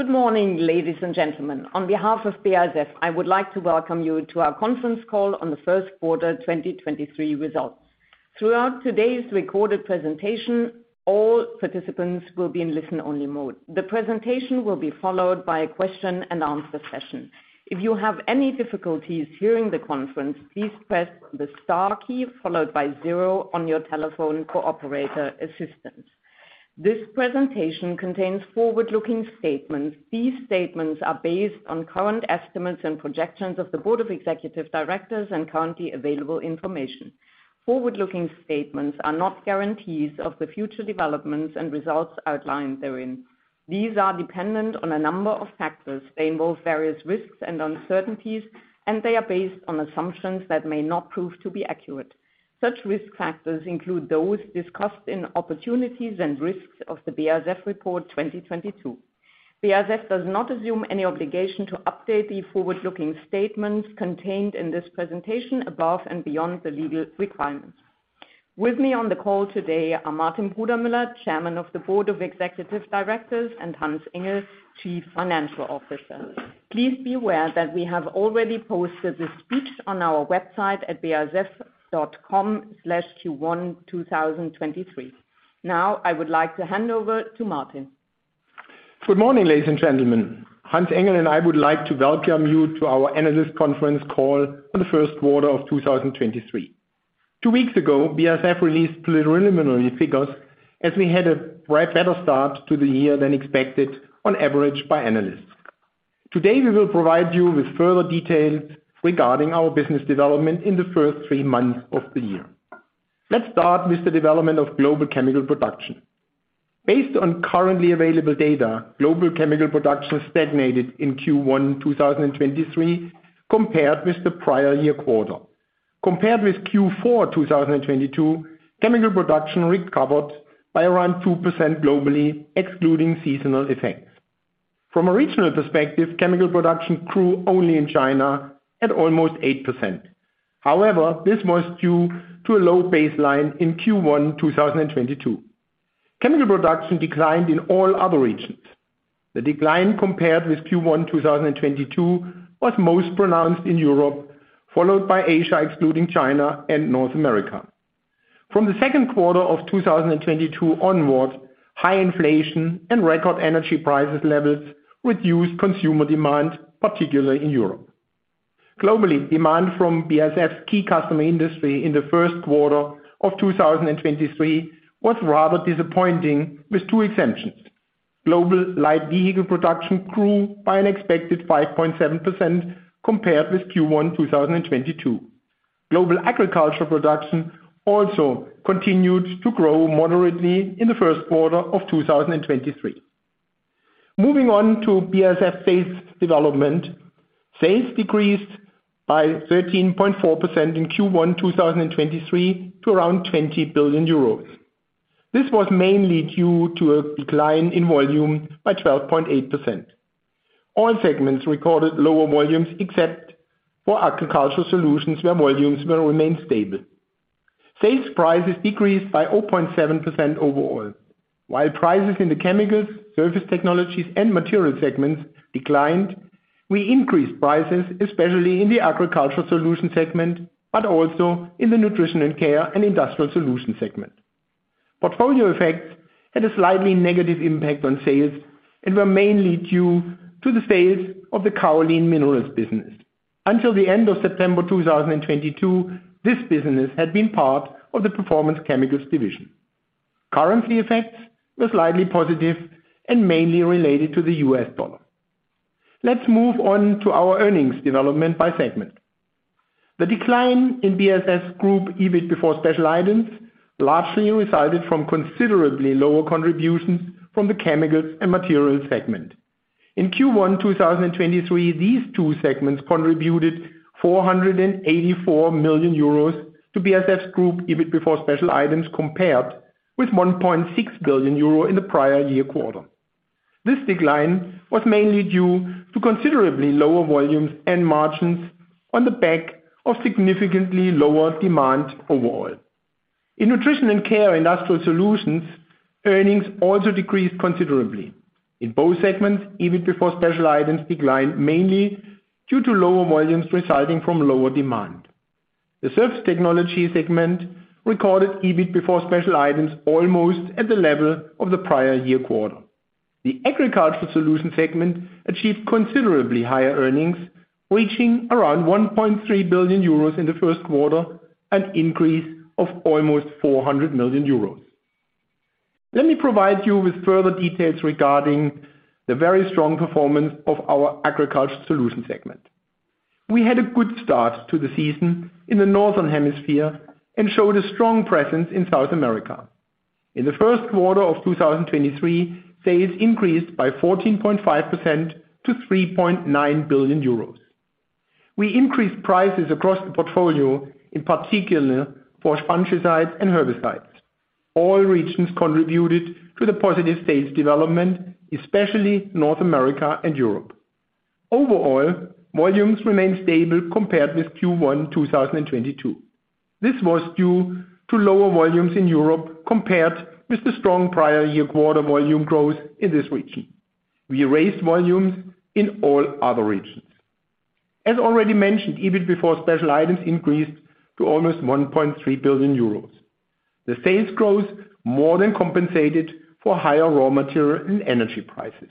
Good morning, ladies and gentlemen. On behalf of BASF, I would like to welcome you to our conference call on the first quarter 2023 results. Throughout today's recorded presentation, all participants will be in listen-only mode. The presentation will be followed by a question and answer session. If you have any difficulties hearing the conference, please press the star key followed by zero on your telephone for operator assistance. This presentation contains forward-looking statements. These statements are based on current estimates and projections of the board of executive directors and currently available information. Forward-looking statements are not guarantees of the future developments and results outlined therein. These are dependent on a number of factors. They involve various risks and uncertainties, and they are based on assumptions that may not prove to be accurate. Such risk factors include those discussed in Opportunities and Risks of the BASF Report 2022. BASF does not assume any obligation to update the forward-looking statements contained in this presentation above and beyond the legal requirements. With me on the call today are Martin Brudermüller, Chairman of the Board of Executive Directors, and Hans-Ulrich Engel, Chief Financial Officer. Please be aware that we have already posted this speech on our website at basf.com/Q12023. I would like to hand over to Martin. Good morning, ladies and gentlemen. Hans-Ulrich Engel and I would like to welcome you to our analyst conference call for the first quarter of 2023. Two weeks ago, BASF released preliminary figures as we had a bright better start to the year than expected on average by analysts. Today, we will provide you with further details regarding our business development in the first three months of the year. Let's start with the development of global chemical production. Based on currently available data, global chemical production stagnated in Q1 2023 compared with the prior year quarter. Compared with Q4 2022, chemical production recovered by around 2% globally, excluding seasonal effects. From a regional perspective, chemical production grew only in China at almost 8%. This was due to a low baseline in Q1 2022. Chemical production declined in all other regions. The decline compared with Q1 2022 was most pronounced in Europe, followed by Asia, excluding China and North America. From the second quarter of 2022 onwards, high inflation and record energy prices levels reduced consumer demand, particularly in Europe. Globally, demand from BASF's key customer industry in the first quarter of 2023 was rather disappointing with 2 exceptions. Global light vehicle production grew by an expected 5.7% compared with Q1 2022. Global agriculture production also continued to grow moderately in the first quarter of 2023. Moving on to BASF sales development. Sales decreased by 13.4% in Q1 2023 to around 20 billion euros. This was mainly due to a decline in volume by 12.8%. All segments recorded lower volumes except for Agricultural Solutions, where volumes will remain stable. Sales prices decreased by 0.7% overall. While prices in the Chemicals segment, Surface Technologies segment, and Materials segment declined, we increased prices, especially in the Agricultural Solutions segment, but also in the Nutrition & Care and Industrial Solutions segment. Portfolio effects had a slightly negative impact on sales and were mainly due to the sales of the kaolin minerals business. Until the end of September 2022, this business had been part of the Performance Chemicals division. Currency effects were slightly positive and mainly related to the US dollar. Let's move on to our earnings development by segment. The decline in BASF Group EBIT before special items largely resulted from considerably lower contributions from the Chemicals segment and Materials segment. In Q1 2023, these two segments contributed 484 million euros to BASF's group EBIT before special items compared with 1.6 billion euro in the prior year quarter. This decline was mainly due to considerably lower volumes and margins on the back of significantly lower demand overall. In Nutrition & Care Industrial Solutions, earnings also decreased considerably. In both segments, EBIT before special items declined mainly due to lower volumes resulting from lower demand. The Surface Technologies segment recorded EBIT before special items almost at the level of the prior year quarter. The Agricultural Solutions segment achieved considerably higher earnings, reaching around 1.3 billion euros in the first quarter, an increase of almost 400 million euros. Let me provide you with further details regarding the very strong performance of our Agricultural Solutions segment. We had a good start to the season in the northern hemisphere and showed a strong presence in South America. In the first quarter of 2023, sales increased by 14.5% to 3.9 billion euros. We increased prices across the portfolio, in particular for fungicides and herbicides. All regions contributed to the positive sales development, especially North America and Europe. Overall, volumes remained stable compared with Q1 2022. This was due to lower volumes in Europe compared with the strong prior year quarter volume growth in this region. We raised volumes in all other regions. As already mentioned, EBIT before special items increased to almost 1.3 billion euros. The sales growth more than compensated for higher raw material and energy prices.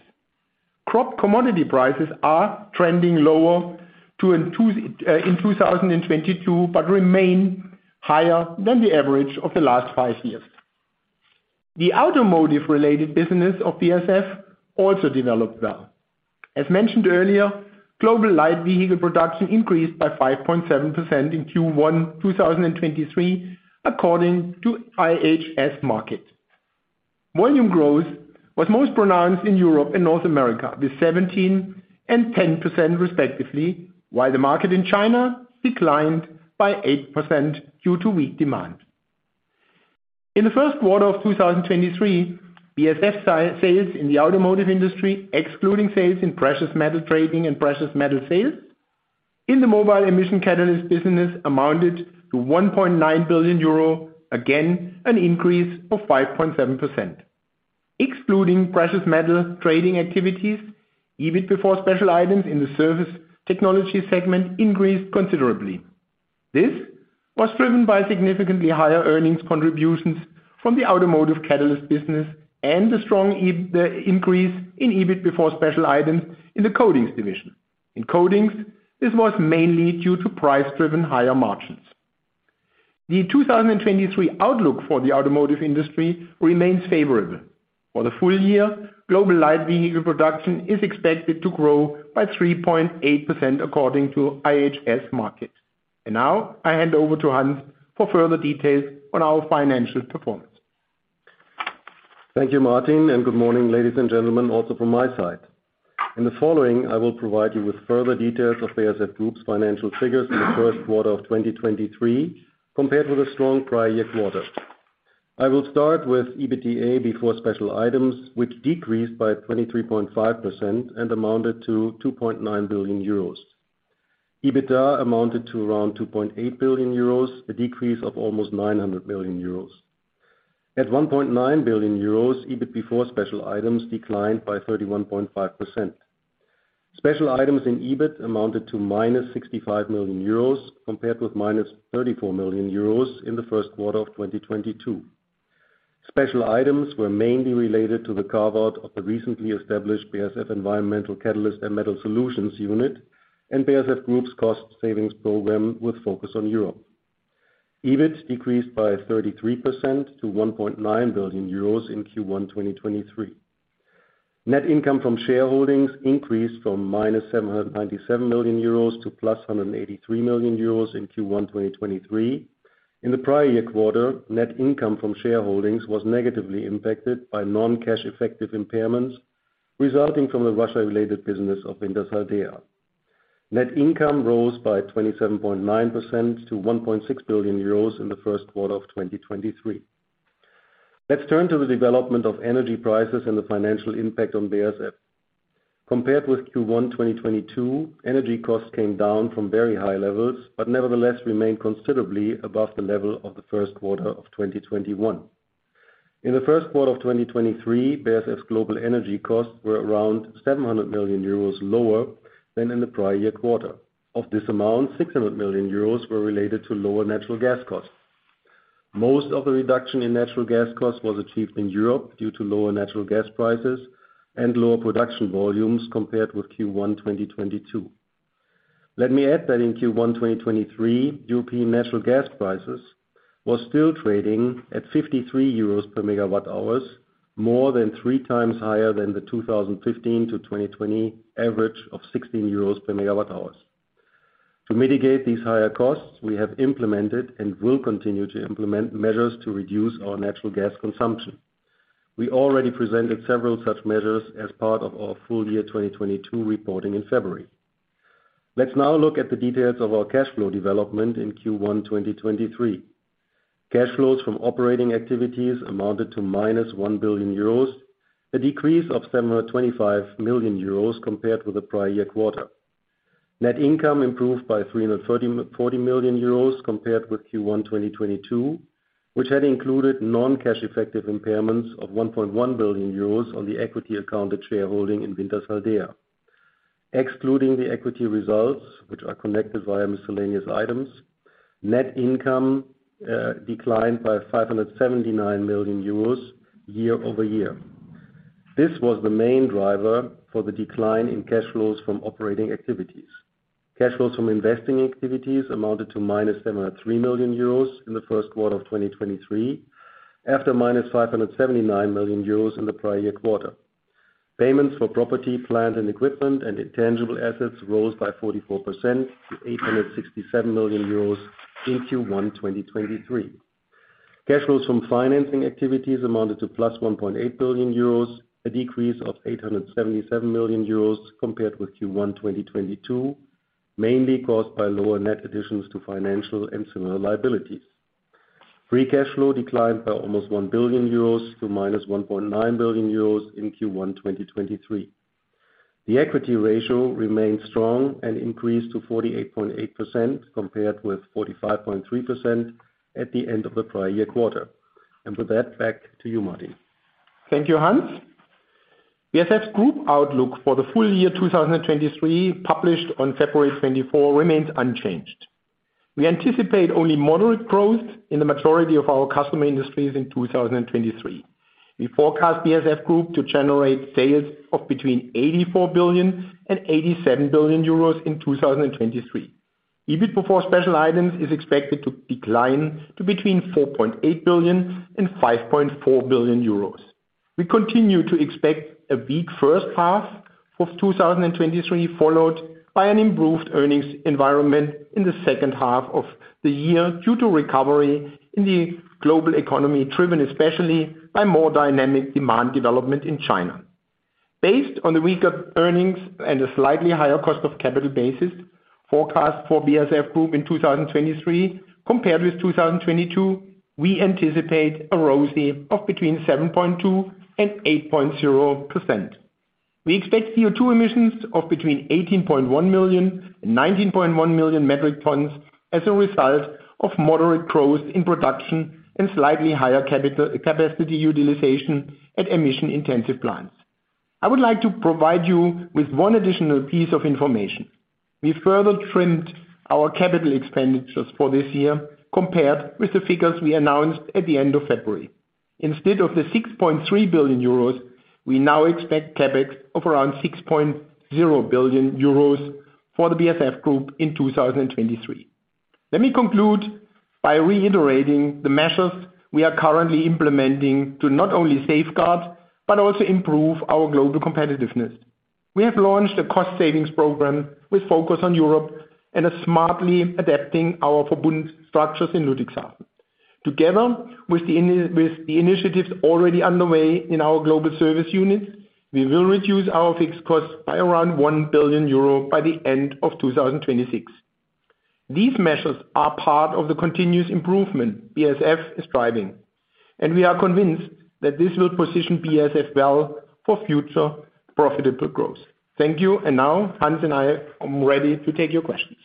Crop commodity prices are trending lower to in 2022, remain higher than the average of the last five years. The automotive-related business of BASF also developed well. As mentioned earlier, global light vehicle production increased by 5.7% in Q1 2023, according to IHS Markit. Volume growth was most pronounced in Europe and North America, with 17% and 10% respectively, while the market in China declined by 8% due to weak demand. In the first quarter of 2023, BASF sales in the automotive industry, excluding sales in precious metal trading and precious metal sales, in the mobile emission catalyst business amounted to 1.9 billion euro. Again, an increase of 5.7%. Excluding precious metal trading activities, EBIT before special items in the Surface Technologies segment increased considerably. This was driven by significantly higher earnings contributions from the automotive catalyst business and the strong increase in EBIT before special items in the Coatings division. In Coatings, this was mainly due to price-driven higher margins. The 2023 outlook for the automotive industry remains favorable. For the full year, global light vehicle production is expected to grow by 3.8% according to IHS Markit. Now I hand over to Hans for further details on our financial performance. Thank you, Martin. Good morning, ladies and gentlemen, also from my side. In the following, I will provide you with further details of BASF Group's financial figures in the first quarter of 2023 compared with a strong prior year quarter. I will start with EBITDA before special items, which decreased by 23.5% and amounted to 2.9 billion euros. EBITDA amounted to around 2.8 billion euros, a decrease of almost 900 million euros. At 1.9 billion euros, EBIT before special items declined by 31.5%. Special items in EBIT amounted to -65 million euros, compared with -34 million euros in the first quarter of 2022. Special items were mainly related to the carve-out of the recently established BASF Environmental Catalyst and Metal Solutions unit and BASF Group's cost savings program with focus on Europe. EBIT decreased by 33% to 1.9 billion euros in Q1 2023. Net income from shareholdings increased from -797 million euros to +183 million euros in Q1 2023. In the prior year quarter, net income from shareholdings was negatively impacted by non-cash effective impairments resulting from the Russia-related business of Wintershall Dea. Net income rose by 27.9% to 1.6 billion euros in the first quarter of 2023. Let's turn to the development of energy prices and the financial impact on BASF. Compared with Q1 2022, energy costs came down from very high levels, nevertheless remained considerably above the level of the first quarter of 2021. In the first quarter of 2023, BASF's global energy costs were around 700 million euros lower than in the prior year quarter. Of this amount, 600 million euros were related to lower natural gas costs. Most of the reduction in natural gas costs was achieved in Europe due to lower natural gas prices and lower production volumes compared with Q1 2022. Let me add that in Q1 2023, European natural gas prices was still trading at 53 euros per megawatt hours, more than three times higher than the 2015-2020 average of 16 euros per megawatt hours. To mitigate these higher costs, we have implemented and will continue to implement measures to reduce our natural gas consumption. We already presented several such measures as part of our full year 2022 reporting in February. Let's now look at the details of our cash flow development in Q1 2023. Cash flows from operating activities amounted to minus 1 billion euros, a decrease of 725 million euros compared with the prior year quarter. Net income improved by 340 million euros compared with Q1 2022, which had included non-cash effective impairments of 1.1 billion euros on the equity accounted shareholding in Wintershall Dea. Excluding the equity results, which are connected via miscellaneous items, net income declined by 579 million euros year-over-year. This was the main driver for the decline in cash flows from operating activities. Cash flows from investing activities amounted to minus 703 million euros in the first quarter of 2023, after minus 579 million euros in the prior year quarter. Payments for property, plant, and equipment and intangible assets rose by 44% to 867 million euros in Q1 2023. Cash flows from financing activities amounted to +1.8 billion euros, a decrease of 877 million euros compared with Q1 2022, mainly caused by lower net additions to financial and similar liabilities. Free cash flow declined by almost 1 billion euros to -1.9 billion euros in Q1 2023. The equity ratio remained strong and increased to 48.8% compared with 45.3% at the end of the prior year quarter. With that, back to you, Martin. Thank you, Hans. BASF Group outlook for the full year 2023, published on February 24th, remained unchanged. We anticipate only moderate growth in the majority of our customer industries in 2023. We forecast BASF Group to generate sales of between 84 billion and 87 billion euros in 2023. EBIT before special items is expected to decline to between 4.8 billion and 5.4 billion euros. We continue to expect a weak first half of 2023, followed by an improved earnings environment in the second half of the year due to recovery in the global economy, driven especially by more dynamic demand development in China. Based on the weaker earnings and a slightly higher cost of capital basis forecast for BASF Group in 2023 compared with 2022, we anticipate a ROCE of between 7.2% and 8.0%. We expect CO2 emissions of between 18.1 million and 19.1 million metric tons as a result of moderate growth in production and slightly higher capacity utilization at emission-intensive plants. I would like to provide you with one additional piece of information. We further trimmed our capital expenditures for this year compared with the figures we announced at the end of February. Instead of the 6.3 billion euros, we now expect CapEx of around 6.0 billion euros for the BASF Group in 2023. Let me conclude by reiterating the measures we are currently implementing to not only safeguard, but also improve our global competitiveness. We have launched a cost savings program with focus on Europe and are smartly adapting our Verbund structures in Ludwigshafen. Together with the initiatives already underway in our global service units, we will reduce our fixed costs by around 1 billion euro by the end of 2026. These measures are part of the continuous improvement BASF is driving, and we are convinced that this will position BASF well for future profitable growth. Thank you. Now Hans and I are ready to take your questions.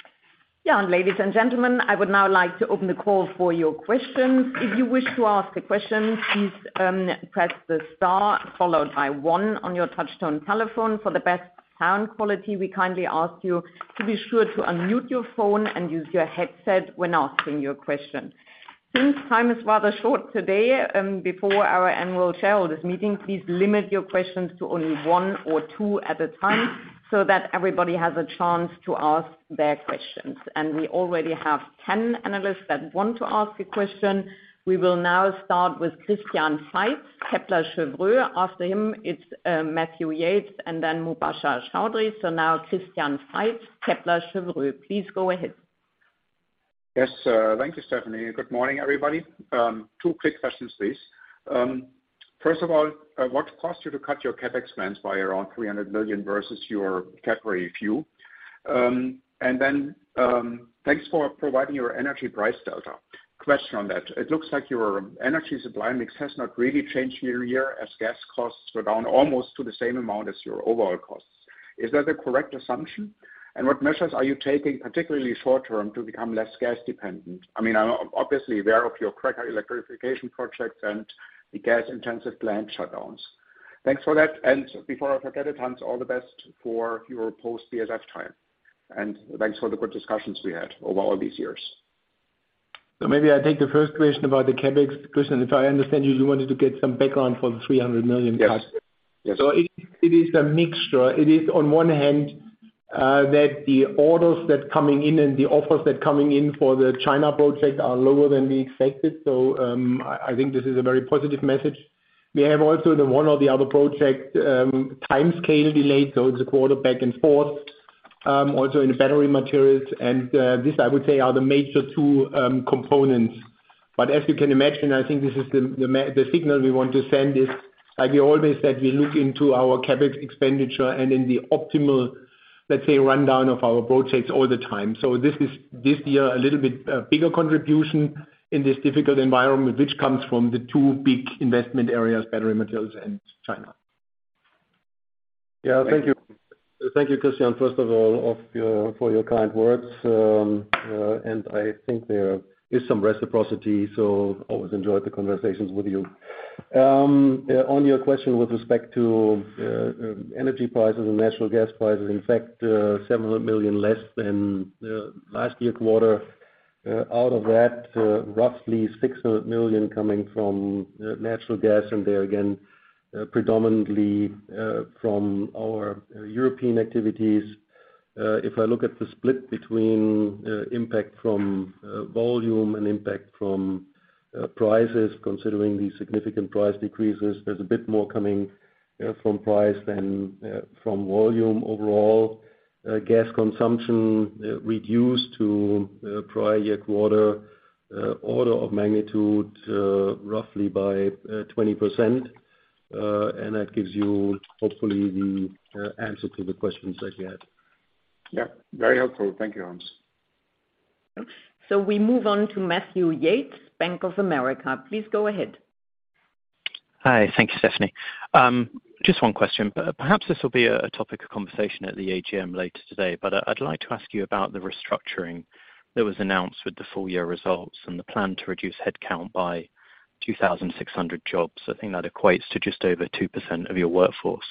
Yeah. Ladies and gentlemen, I would now like to open the call for your questions. If you wish to ask a question, please press the star followed by 1 on your touchtone telephone. For the best sound quality, we kindly ask you to be sure to unmute your phone and use your headset when asking your question. Since time is rather short today, before our annual shareholders meeting, please limit your questions to only 1 or 2 at a time so that everybody has a chance to ask their questions. We already have 10 analysts that want to ask a question. We will now start with Christian Faitz, Kepler Cheuvreux. After him it's Matthew Yates and then Mubasher Chaudhry. Now Christian Faitz, Kepler Cheuvreux, please go ahead. Yes, sir. Thank you, Stephanie. Good morning, everybody. Two quick questions, please. First of all, what cost you to cut your CapEx spends by around 300 million versus your capillary view? Thanks for providing your energy price delta. Question on that, it looks like your energy supply mix has not really changed year-to-year as gas costs were down almost to the same amount as your overall costs. Is that a correct assumption? What measures are you taking, particularly short term, to become less gas dependent? I mean, I'm obviously aware of your cracker electrification projects and the gas-intensive plant shutdowns. Thanks for that. Before I forget it, Hans, all the best for your post-BASF time. Thanks for the good discussions we had over all these years. Maybe I take the first question about the CapEx. Christian, if I understand you wanted to get some background for the 300 million cuts. Yes. Yes. It is a mixture. It is on one hand, that the orders that coming in and the offers that coming in for the China project are lower than we expected. I think this is a very positive message. We have also the one or the other project, timescale delayed, so it's a quarter back and forth, also in battery materials. This I would say are the major two components. As you can imagine, I think this is the signal we want to send is, like we always said, we look into our CapEx expenditure and in the optimal, let's say, rundown of our projects all the time. This is this year a little bit, bigger contribution in this difficult environment, which comes from the two big investment areas, battery materials and China. Thank you. Thank you, Christian, for your kind words. I think there is some reciprocity, always enjoyed the conversations with you. On your question with respect to energy prices and natural gas prices, in fact, 700 million less than last year quarter. Out of that, roughly 600 million coming from natural gas and there again, predominantly from our European activities. If I look at the split between impact from volume and impact from prices, considering the significant price decreases, there's a bit more coming from price than from volume overall. Gas consumption reduced to prior year quarter, order of magnitude, roughly by 20%. That gives you hopefully the answer to the questions that you had. Yeah, very helpful. Thank You, Hans. We move on to Matthew Yates, Bank of America. Please go ahead. Hi. Thank you, Stephanie. Just one question. Perhaps this will be a topic of conversation at the AGM later today, but I'd like to ask you about the restructuring that was announced with the full year results and the plan to reduce headcount by 2,600 jobs. I think that equates to just over 2% of your workforce.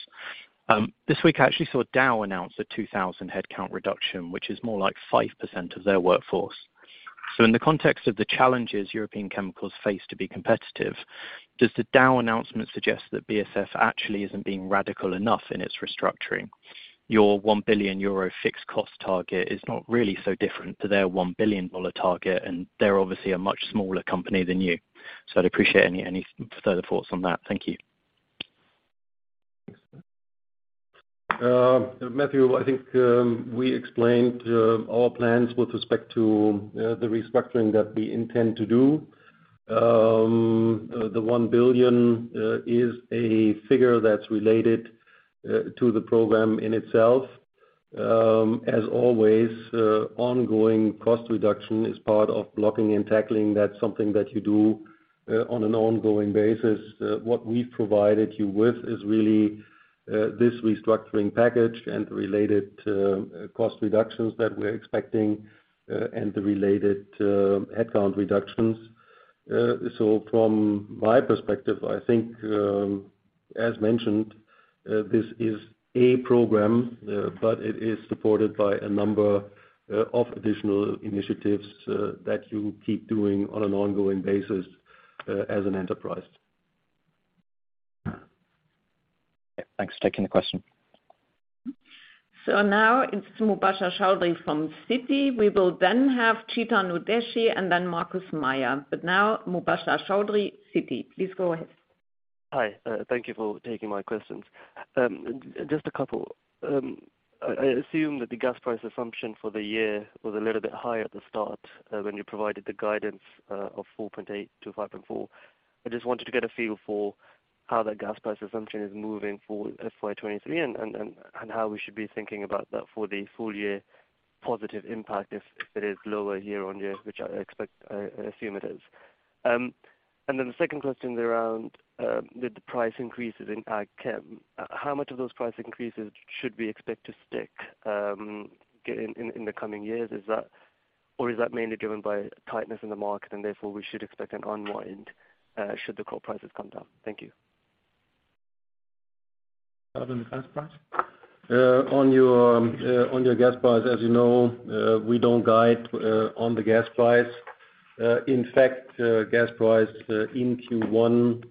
This week I actually saw Dow announce a 2,000 headcount reduction, which is more like 5% of their workforce. In the context of the challenges European Chemicals face to be competitive, does the Dow announcement suggest that BASF actually isn't being radical enough in its restructuring? Your 1 billion euro fixed cost target is not really so different to their $1 billion target, they're obviously a much smaller company than you. I'd appreciate any further thoughts on that. Thank you. Matthew, I think, we explained, our plans with respect to the restructuring that we intend to do. The 1 billion is a figure that's related to the program in itself. As always, ongoing cost reduction is part of blocking and tackling. That's something that you do on an ongoing basis. What we've provided you with is really, this restructuring package and related cost reductions that we're expecting, and the related headcount reductions. From my perspective, I think, as mentioned, this is a program, but it is supported by a number of additional initiatives that you keep doing on an ongoing basis as an enterprise. Yeah. Thanks for taking the question. Now it's Mubasher Chaudhry from Citi. We will then have Chetan Udeshi and then Markus Mayer. Now Mubasher Chaudhry, Citi, please go ahead. Hi, thank you for taking my questions. Just a couple. I assume that the gas price assumption for the year was a little bit higher at the start when you provided the guidance of 4.8 to 5.4. I just wanted to get a feel for how that gas price assumption is moving for FY 2023 and how we should be thinking about that for the full year positive impact if it is lower year-on-year, which I expect, I assume it is. The second question is around with the price increases in AgChem, how much of those price increases should we expect to stick in the coming years? Is that... Is that mainly driven by tightness in the market and therefore we should expect an unwind, should the coal prices come down? Thank you. Other than the gas price? On your gas price, as you know, we don't guide on the gas price. In fact, gas price in Q1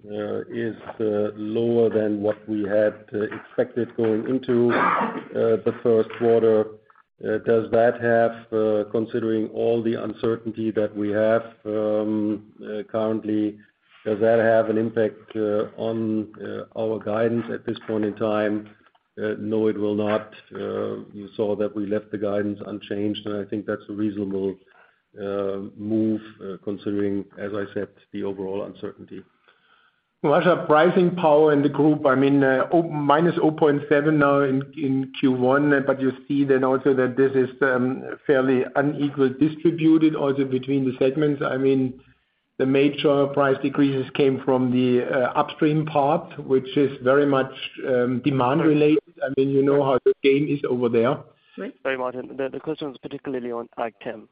is lower than what we had expected going into the first quarter. Does that have, considering all the uncertainty that we have currently, an impact on our guidance at this point in time? No, it will not. You saw that we left the guidance unchanged, and I think that's a reasonable move considering, as I said, the overall uncertainty. Much of pricing power in the group, I mean, -0.7% now in Q1. You see then also that this is fairly unequal distributed also between the segments. I mean, the major price decreases came from the upstream part, which is very much demand related. I mean, you know how the game is over there. Sorry, Martin. The question was particularly on AgChem.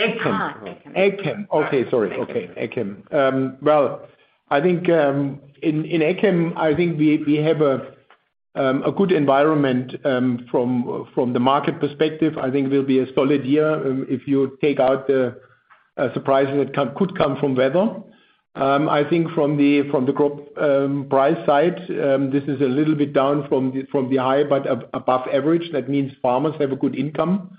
AgChem. AgChem. AgChem. Okay. Sorry. Okay. AgChem. Well, I think in AgChem, I think we have a good environment from the market perspective. I think it will be a solid year, if you take out the surprises that could come from weather. I think from the group price side, this is a little bit down from the high, but above average. That means farmers have a good income.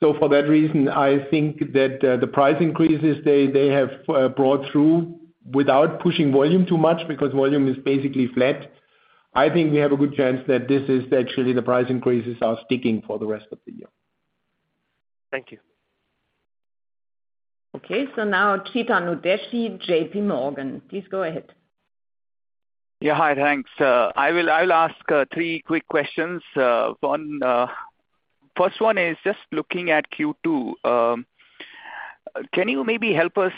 For that reason, I think that the price increases they have brought through without pushing volume too much because volume is basically flat. I think we have a good chance that this is actually the price increases are sticking for the rest of the year. Thank you. Okay, now Chetan Udeshi, JPMorgan. Please go ahead. Yeah. Hi. Thanks. I will ask 3 quick questions. First one is just looking at Q2. Can you maybe help us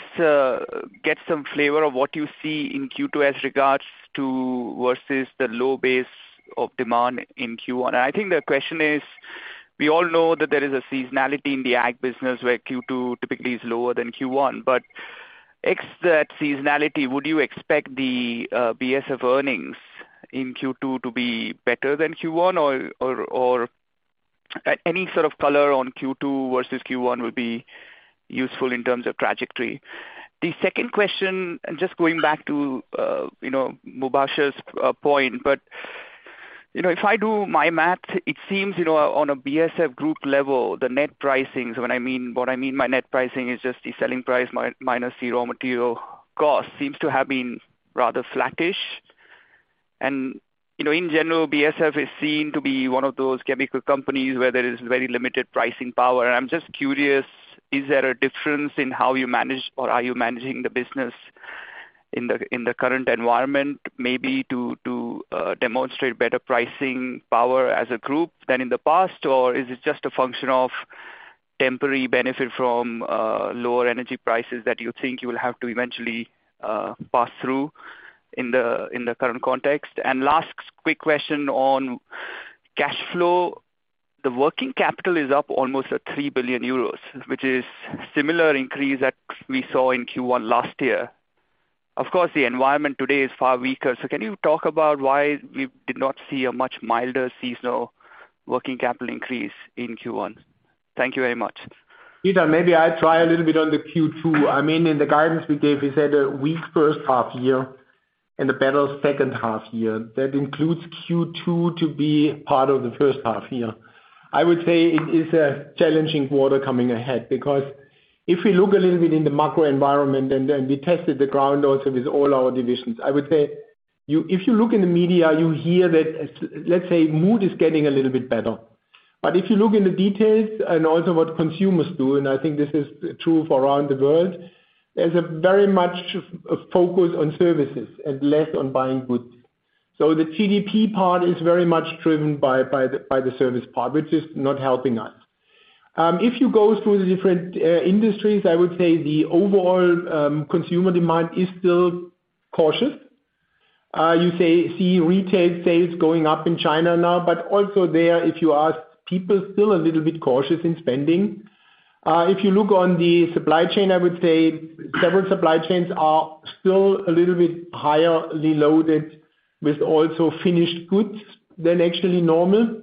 get some flavor of what you see in Q2 as regards to versus the low base of demand in Q1? I think the question is, we all know that there is a seasonality in the Ag business, where Q2 typically is lower than Q1. X that seasonality, would you expect the BASF earnings in Q2 to be better than Q1? Or any sort of color on Q2 versus Q1 would be useful in terms of trajectory. The second question, just going back to, you know, Mubasher's point, but, you know, if I do my math, it seems, you know, on a BASF group level, the net pricing, so when, I mean... What I mean by net pricing is just the selling price minus the raw material cost, seems to have been rather flattish. You know, in general, BASF is seen to be one of those chemical companies where there is very limited pricing power. I'm just curious, is there a difference in how you manage or are you managing the business? In the current environment, maybe to demonstrate better pricing power as a group than in the past? Or is it just a function of temporary benefit from lower energy prices that you think you will have to eventually pass through in the current context? Last quick question on cash flow. The working capital is up almost 3 billion euros, which is similar increase that we saw in Q1 last year. The environment today is far weaker, can you talk about why we did not see a much milder seasonal working capital increase in Q1? Thank you very much. Chetan, maybe I try a little bit on the Q2. I mean, in the guidance we gave, we said a weak first half year and a better second half year. That includes Q2 to be part of the first half year. I would say it is a challenging quarter coming ahead because if we look a little bit in the macro environment and then we tested the ground also with all our divisions, I would say if you look in the media, you hear that let's say mood is getting a little bit better. But if you look in the details and also what consumers do, and I think this is true for around the world, there's a very much focus on services and less on buying goods. So the GDP part is very much driven by the service part, which is not helping us. If you go through the different industries, I would say the overall consumer demand is still cautious. You say, see retail sales going up in China now, but also there, if you ask people, still a little bit cautious in spending. If you look on the supply chain, I would say several supply chains are still a little bit higher reloaded with also finished goods than actually normal.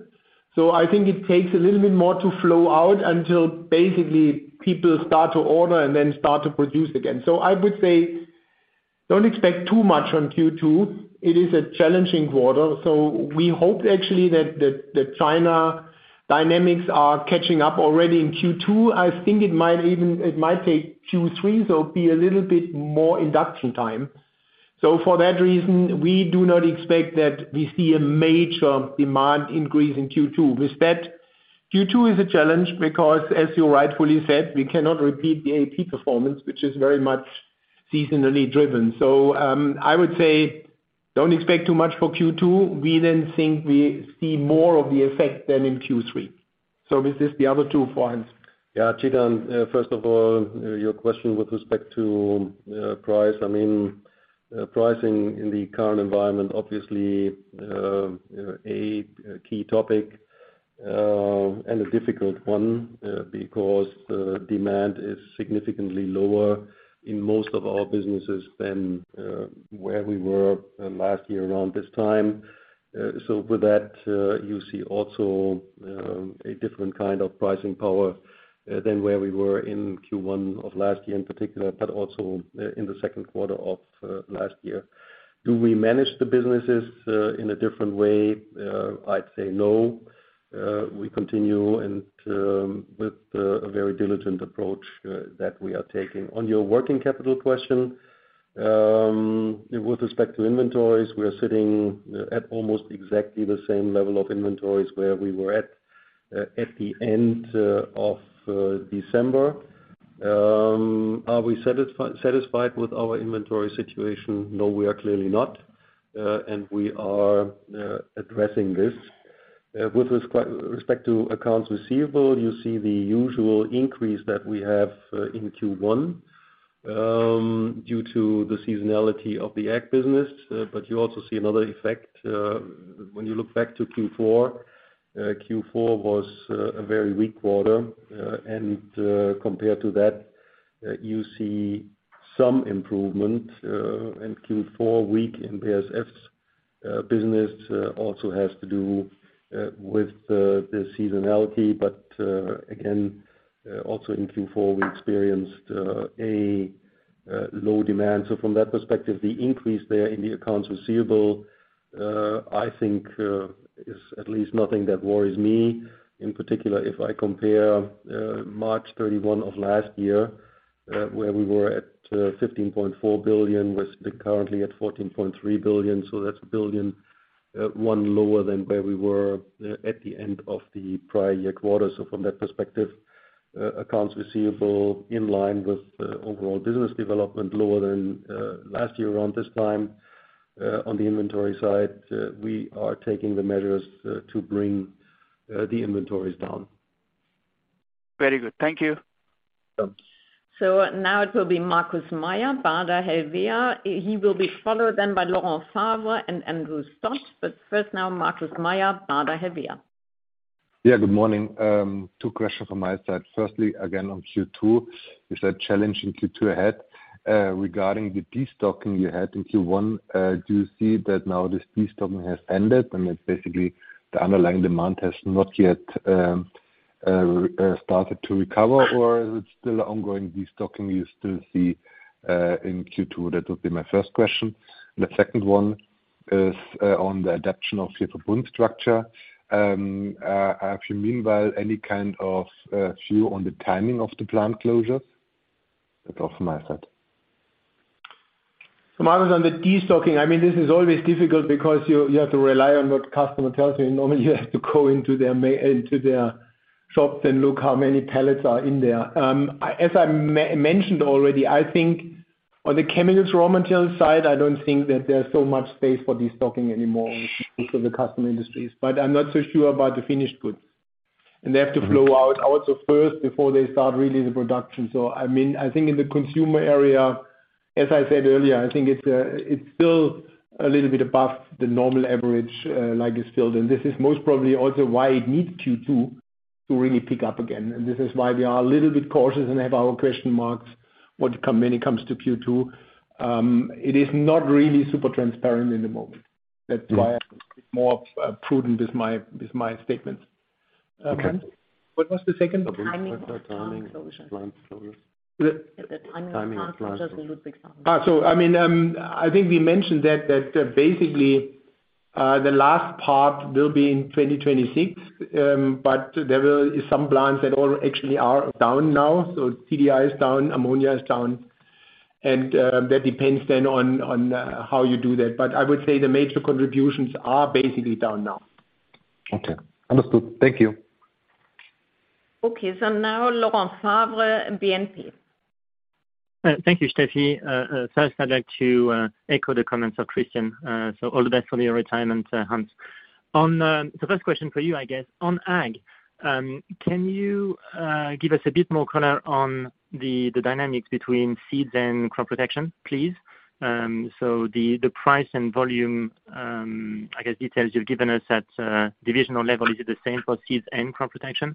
I think it takes a little bit more to flow out until basically people start to order and then start to produce again. I would say don't expect too much on Q2. It is a challenging quarter. We hope actually that the China dynamics are catching up already in Q2. I think it might even, it might take Q3, so be a little bit more induction time. For that reason, we do not expect that we see a major demand increase in Q2. With that, Q2 is a challenge because as you rightfully said, we cannot repeat the AP performance, which is very much seasonally driven. I would say don't expect too much for Q2. We then think we see more of the effect than in Q3. With this, the other two points. Yeah, Chetan, first of all, your question with respect to price, I mean, pricing in the current environment, obviously, a key topic and a difficult one because demand is significantly lower in most of our businesses than where we were last year around this time. With that, you see also a different kind of pricing power than where we were in Q1 of last year in particular, but also in the second quarter of last year. Do we manage the businesses in a different way? I'd say no. We continue and with a very diligent approach that we are taking. On your working capital question, with respect to inventories, we are sitting at almost exactly the same level of inventories where we were at the end of December. Are we satisfied with our inventory situation? No, we are clearly not. We are addressing this. With respect to accounts receivable, you see the usual increase that we have in Q1, due to the seasonality of the ag business. You also see another effect, when you look back to Q4 was a very weak quarter. Compared to that, you see some improvement in Q4 weak in BASF's business also has to do with the seasonality. Again, also in Q4 we experienced a low demand. From that perspective, the increase there in the accounts receivable, I think, is at least nothing that worries me. In particular, if I compare March 31 of last year, where we were at 15.4 billion with currently at 14.3 billion. That's 1 billion, 1 lower than where we were at the end of the prior year quarter. From that perspective, accounts receivable in line with overall business development lower than last year around this time. On the inventory side, we are taking the measures to bring the inventories down. Very good. Thank you. Sure. Now it will be Markus Mayer, Baader-Helvea. He will be followed then by Laurent Favre and Andrew Stott. First now Markus Mayer, Baader-Helvea. Yeah, good morning. two questions from my side. Firstly, again on Q2, you said challenging Q2 ahead. Regarding the destocking you had in Q1, do you see that now this destocking has ended and that basically the underlying demand has not yet started to recover? Or is it still ongoing destocking you still see in Q2? That would be my first question. The second one is on the adaption of your Marcus, on the destocking, I mean, this is always difficult because you have to rely on what customer tells you. Normally, you have to go into their into their Shops and look how many pallets are in there. As I mentioned already, I think on the chemicals raw material side, I don't think that there's so much space for destocking anymore because the custom industries. I'm not so sure about the finished goods. They have to flow out first before they start really the production. I mean, I think in the consumer area, as I said earlier, I think it's still a little bit above the normal average, like it's filled. This is most probably also why it needs Q2 to really pick up again. This is why we are a little bit cautious and have our question marks when it comes to Q2. It is not really super transparent in the moment. That's why I'm more prudent with my statement. Okay. What was the second? Timing of plant closure. Timing of plant closure. The- The timing of plant closures in Ludwigshafen. I mean, I think we mentioned that, basically, the last part will be in 2026. There is some plants that all actually are down now. TDI is down, ammonia is down, and that depends then on how you do that. I would say the major contributions are basically down now. Okay. Understood. Thank you. Okay. Now Laurent Favre, BNP. Thank you, Stephanie. First I'd like to echo the comments of Christian. All the best for your retirement, Hans. On, first question for you, I guess on ag, can you give us a bit more color on the dynamics between seeds and crop protection, please? The price and volume, I guess details you've given us at divisional level, is it the same for seeds and crop protection?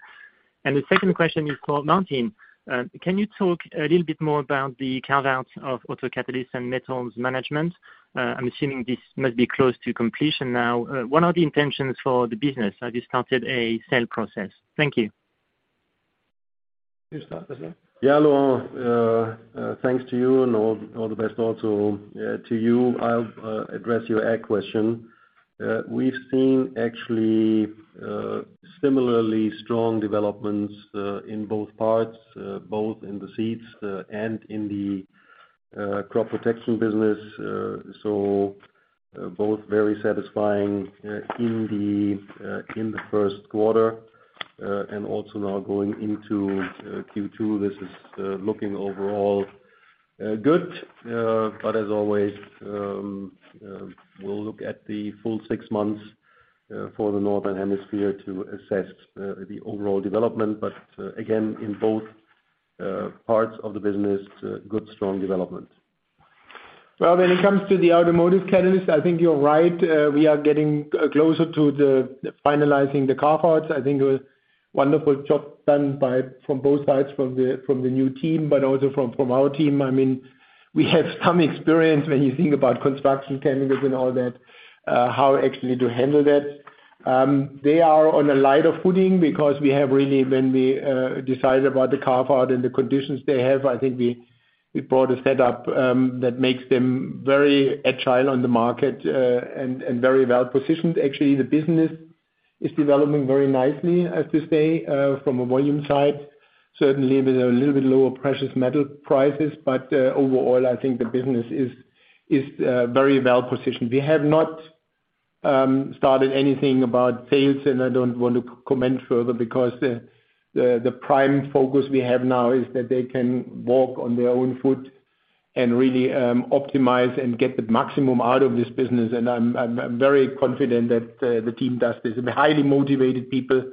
The second question is for Martin. Can you talk a little bit more about the carve outs of autocatalysts and metals management? I'm assuming this must be close to completion now. What are the intentions for the business? Have you started a sale process? Thank you. You start, Hans. Laurence. Thanks to you and all the best also, to you. I'll address your ag question. We've seen actually, similarly strong developments in both parts, both in the seeds and in the crop protection business. Both very satisfying in the first quarter. Also now going into Q2, this is looking overall good. As always, we'll look at the full six months for the Northern Hemisphere to assess the overall development. Again, in both parts of the business, good strong development. Well, when it comes to the automotive catalyst, I think you're right. We are getting closer to the finalizing the carve outs. I think a wonderful job done from both sides, from the new team, but also from our team. I mean, we have some experience when you think about construction chemicals and all that, how actually to handle that. They are on a lighter footing because we have really, when we decide about the carve out and the conditions they have, I think we brought a setup that makes them very agile on the market, and very well positioned. Actually, the business is developing very nicely, as to say, from a volume side. Certainly with a little bit lower precious metal prices. Overall, I think the business is very well positioned. We have not started anything about sales. I don't want to comment further because the prime focus we have now is that they can walk on their own foot and really optimize and get the maximum out of this business. I'm very confident that the team does this. They're highly motivated people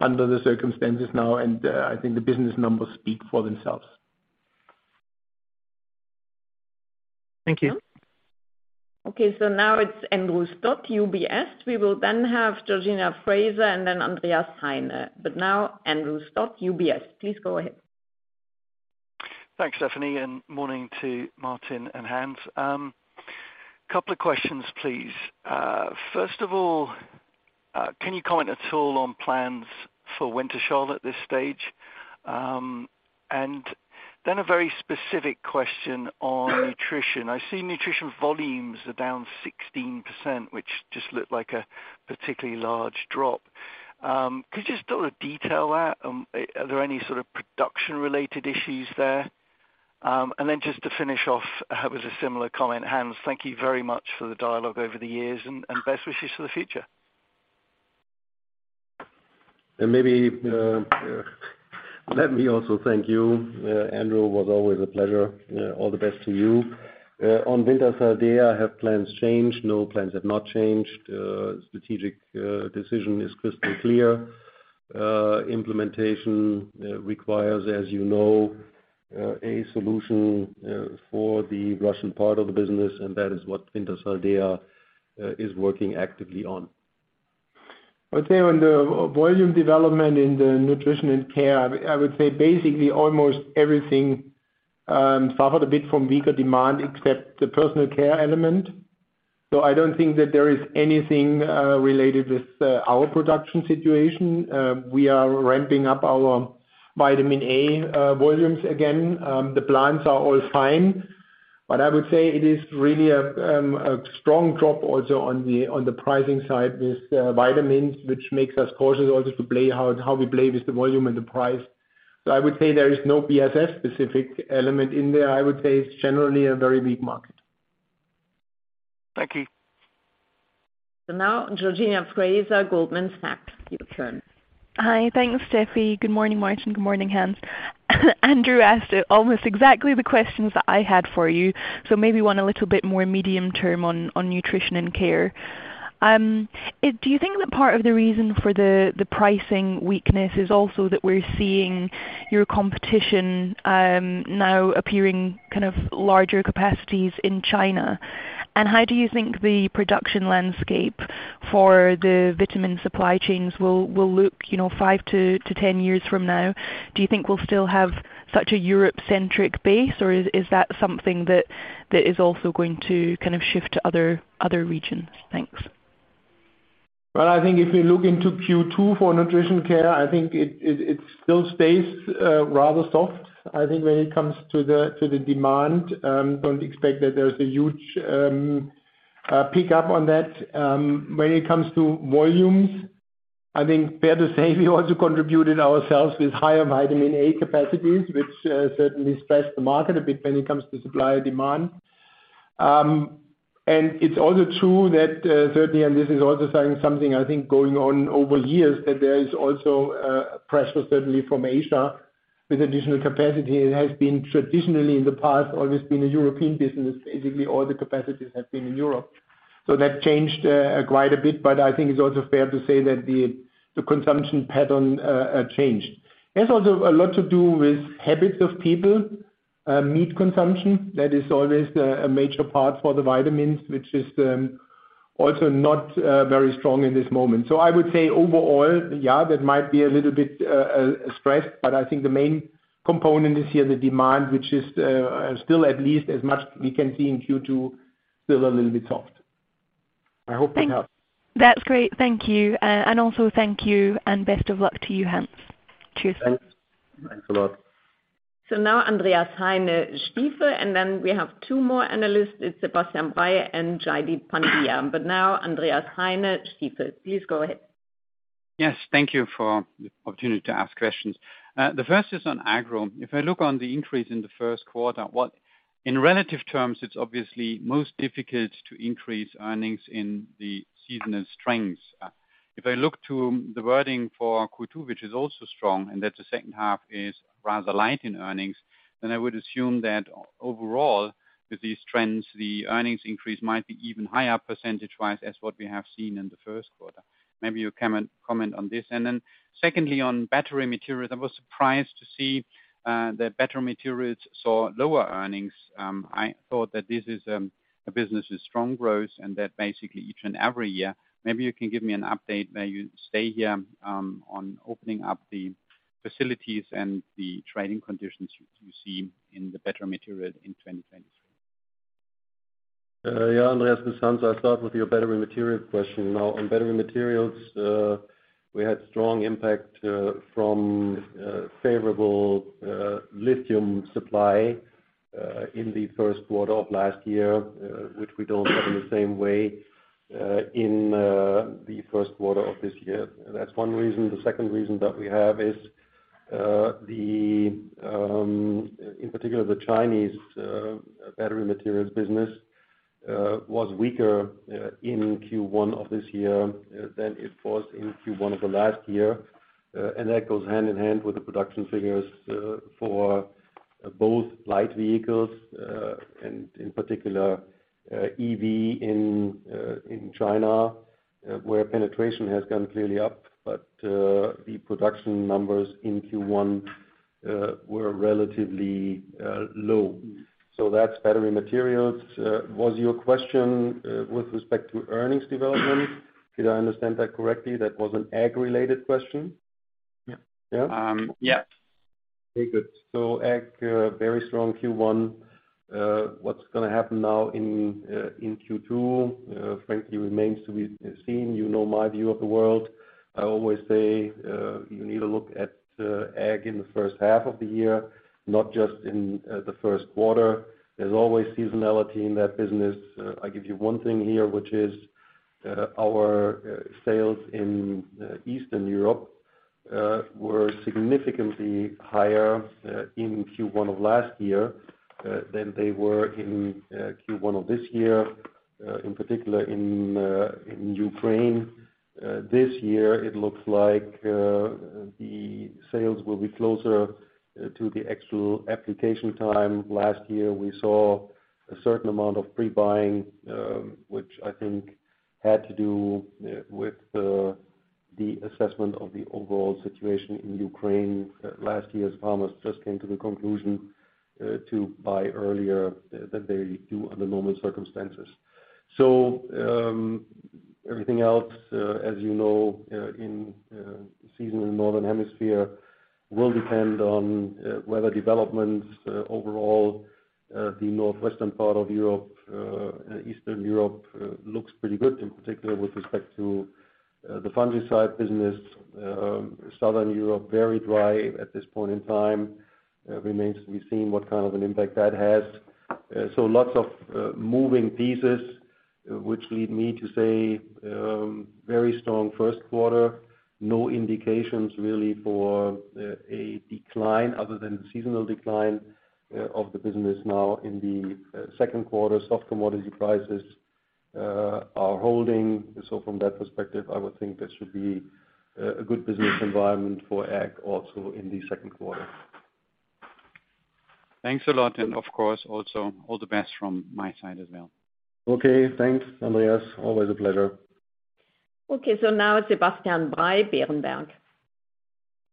under the circumstances now. I think the business numbers speak for themselves. Thank you. Okay. Now it's Andrew Stott, UBS. We will then have Georgina Iwamoto and then Andreas Heine. Now Andrew Stott, UBS. Please go ahead. Thanks, Stephanie. Morning to Martin and Hans. Couple of questions, please. First of all, can you comment at all on plans for Wintershall at this stage? Then a very specific question on nutrition. I see nutrition volumes are down 16%, which just looked like a particularly large drop. Could you just sort of detail that? Are there any sort of production related issues there? Then just to finish off with a similar comment, Hans, thank you very much for the dialogue over the years and best wishes for the future. Maybe, let me also thank you, Andrew, was always a pleasure. All the best to you. On Wintershall, do I have plans changed? No, plans have not changed. Strategic decision is crystal clear. Implementation requires, as you know, a solution for the Russian part of the business, and that is what Wintershall Dea is working actively on. I would say on the volume development in the Nutrition & Care, I would say basically almost everything suffered a bit from weaker demand except the personal care element. I don't think that there is anything related with our production situation. We are ramping up our vitamin A volumes again. The plants are all fine, but I would say it is really a strong drop also on the pricing side with vitamins, which makes us cautious also to play how we play with the volume and the price. I would say there is no BASF specific element in there. I would say it's generally a very weak market. Thank you. now Georgina. Hi. Thanks, Stephanie. Good morning, Martin. Good morning, Hans. Andrew asked almost exactly the questions that I had for you, so maybe went a little bit more medium-term on Nutrition & Care. Do you think that part of the reason for the pricing weakness is also that we're seeing your competition, now appearing kind of larger capacities in China? How do you think the production landscape for the vitamin supply chains will look, you know, 5 to 10 years from now? Do you think we'll still have such a Europe-centric base, or is that something that is also going to kind of shift to other regions? Thanks. Well, I think if you look into Q2 for Nutrition & Care, I think it still stays rather soft. I think when it comes to the demand, don't expect that there's a huge pick-up on that. When it comes to volumes, I think fair to say we also contributed ourselves with higher vitamin A capacities, which certainly stressed the market a bit when it comes to supply and demand. It's also true that certainly, and this is also something I think going on over years, that there is also pressure certainly from Asia with additional capacity. It has been traditionally in the past always been a European business. Basically, all the capacities have been in Europe. That changed quite a bit, but I think it's also fair to say that the consumption pattern changed. It's also a lot to do with habits of people, meat consumption. That is always a major part for the vitamins, which is also not very strong in this moment. I would say overall, yeah, that might be a little bit stressed, but I think the main component is here the demand, which is still at least as much we can see in Q2, still a little bit soft. I hope that helps. That's great. Thank you. Also thank you and best of luck to you, Hans. Cheers. Thanks. Thanks a lot. Now Andreas Heine, Stifel, and then we have two more analysts. It's Sebastian Now, Andreas Heine, Stifel, please go ahead. Yes, thank you for the opportunity to ask questions. The first is on Agro. If I look on the increase in the first quarter, in relative terms, it's obviously most difficult to increase earnings in the seasonal strengths. If I look to the wording for Q2, which is also strong, and that the second half is rather light in earnings, then I would assume that overall with these trends, the earnings increase might be even higher percentage-wise as what we have seen in the first quarter. Maybe you can comment on this. Secondly, on battery materials, I was surprised to see that battery materials saw lower earnings. I thought that this is a business with strong growth and that basically each and every year, maybe you can give me an update where you stay here, on opening up the facilities and the trading conditions you see in the battery materials in 2023. Yeah, Andreas, this is Hans. I'll start with your battery material question. On battery materials, we had strong impact from favorable lithium supply in the first quarter of last year, which we don't have in the same way in the first quarter of this year. That's one reason. The second reason that we have is the in particular, the Chinese battery materials business was weaker in Q1 of this year than it was in Q1 of the last year. That goes hand-in-hand with the production figures for both light vehicles and in particular, EV in China, where penetration has gone clearly up. The production numbers in Q1 were relatively low. That's battery materials. Was your question, with respect to earnings development? Did I understand that correctly? That was an ag-related question? Yeah. Yeah? Yeah. Very good. Ag, very strong Q1. What's gonna happen now in Q2, frankly, remains to be seen. You know my view of the world. I always say, you need to look at Ag in the first half of the year, not just in the first quarter. There's always seasonality in that business. I give you one thing here, which is our sales in Eastern Europe were significantly higher in Q1 of last year than they were in Q1 of this year, in particular in Ukraine. This year it looks like the sales will be closer to the actual application time. Last year we saw a certain amount of pre-buying, which I think had to do with the assessment of the overall situation in Ukraine. Last year's farmers just came to the conclusion to buy earlier than they do under normal circumstances. Everything else, as you know, in season in the Northern Hemisphere will depend on weather developments. Overall, the Northwestern part of Europe, Eastern Europe, looks pretty good in particular with respect to the fungicide business. Southern Europe, very dry at this point in time. Remains to be seen what kind of an impact that has. Lots of moving pieces which lead me to say very strong first quarter. No indications really for a decline other than seasonal decline of the business now in the second quarter, soft commodity prices. Are holding. From that perspective, I would think this should be a good business environment for Ag also in the second quarter. Thanks a lot. Of course also all the best from my side as well. Okay, thanks, Andreas. Always a pleasure. Okay, now Sebastian Bray, Berenberg.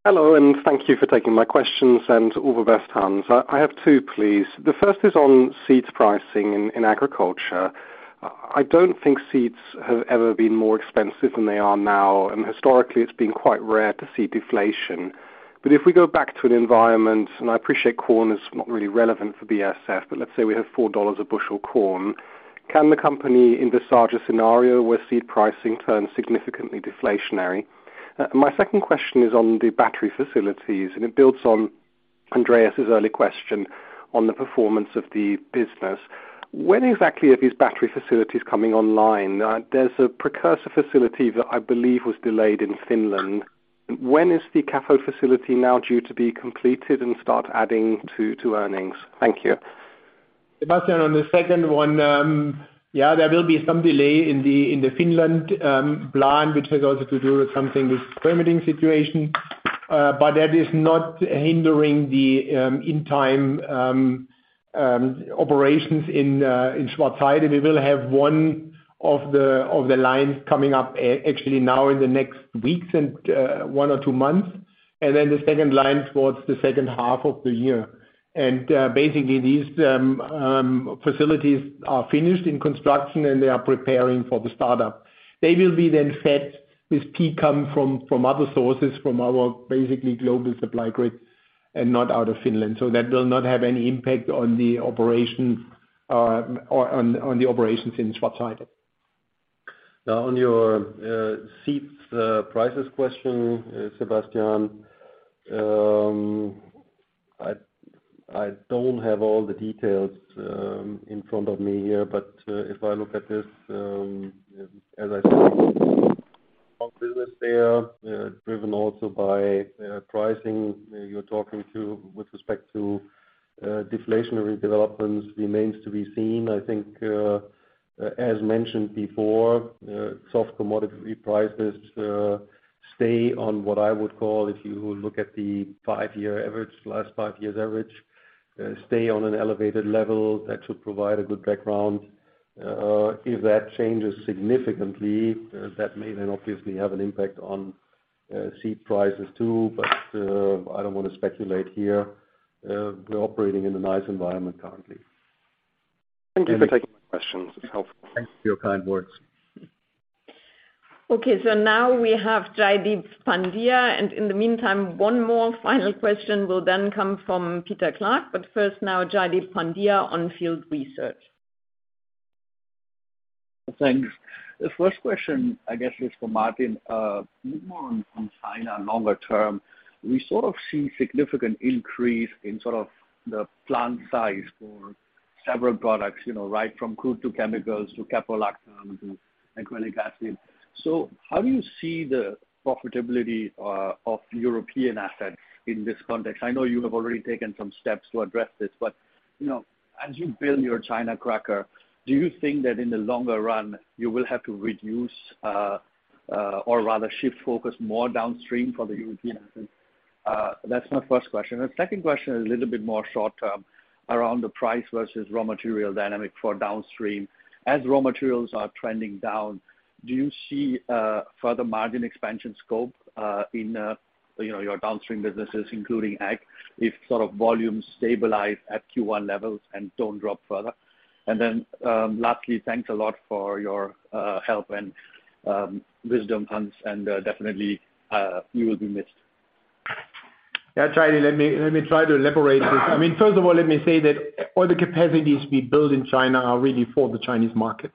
Hello, thank you for taking my questions and all the best, Hans. I have 2, please. The first is on seeds pricing in agriculture. I don't think seeds have ever been more expensive than they are now, and historically it's been quite rare to see deflation. If we go back to an environment, and I appreciate corn is not really relevant for BASF, but let's say we have $4 a bushel corn, can the company in this larger scenario where seed pricing turns significantly deflationary? My second question is on the battery facilities, and it builds on Andreas Heine's early question on the performance of the business. When exactly are these battery facilities coming online? There's a precursor facility that I believe was delayed in Finland. When is the Zhanjiang facility now due to be completed and start adding to earnings? Sebastian, on the second one, yeah, there will be some delay in the Finland plant, which has also to do with something with permitting situation. That is not hindering the in time operations in Schwarzheide. We will have one of the lines coming up actually now in the next weeks and one or two months, and then the second line towards the second half of the year. Basically these facilities are finished in construction, and they are preparing for the startup. They will be then fed with P come from other sources, from our basically global supply grid and not out of Finland. That will not have any impact on the operation or on the operations in Schwarzheide. On your seeds prices question, Sebastian, I don't have all the details in front of me here, but if I look at this, as I said, business there, driven also by pricing, you're talking to with respect to deflationary developments remains to be seen. I think, as mentioned before, soft commodity prices stay on what I would call, if you look at the 5-year average, last 5 years average, stay on an elevated level that should provide a good background. If that changes significantly, that may then obviously have an impact on seed prices too. I don't wanna speculate here. We're operating in a nice environment currently. Thank you for taking my questions. It's helpful. Thanks for your kind words. Okay. Now we have Jaideep Pandya. In the meantime, one more final question will come from Peter Clark. First now, Jaideep Pandya on Field Research. Thanks. The first question, I guess, is for Martin, more on China longer term. We sort of see significant increase in sort of the plant size for several products, you know, right from crude to chemicals to caprolactam to acrylic acid. How do you see the profitability of European assets in this context? I know you have already taken some steps to address this, but, you know, as you build your China cracker, do you think that in the longer run you will have to reduce, or rather shift focus more downstream for the European assets? That's my first question. The second question is a little bit more short term around the price versus raw material dynamic for downstream. As raw materials are trending down, do you see further margin expansion scope in, you know, your downstream businesses, including Ag, if sort of volumes stabilize at Q1 levels and don't drop further? Lastly, thanks a lot for your help and wisdom, Hans, and definitely, you will be missed. Yeah, Jaideep, let me try to elaborate this. I mean, first of all, let me say that all the capacities we build in China are really for the Chinese market.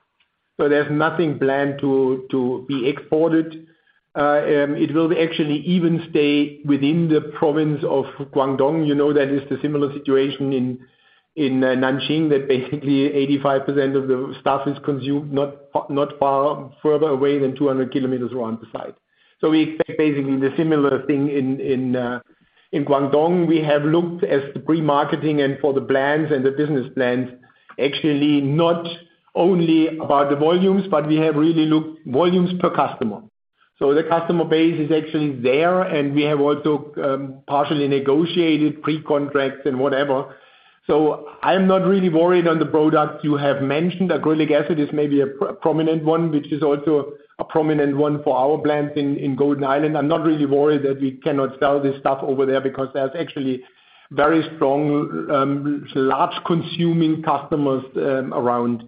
There's nothing planned to be exported. It will actually even stay within the province of Guangdong. You know that it's the similar situation in Nanjing, that basically 85% of the stuff is consumed not far further away than 200 kilometers around the site. We expect basically the similar thing in Guangdong. We have looked as the pre-marketing and for the plans and the business plans, actually not only about the volumes, but we have really looked volumes per customer. The customer base is actually there, and we have also partially negotiated pre-contracts and whatever. I am not really worried on the products you have mentioned. Acrylic acid is maybe a prominent one, which is also a prominent one for our plant in Golden Island. I'm not really worried that we cannot sell this stuff over there because there's actually very strong large consuming customers around.